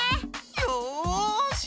よし。